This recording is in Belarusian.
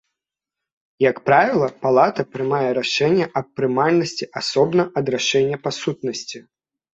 Як правіла, палата прымае рашэнне аб прымальнасці асобна ад рашэння па сутнасці.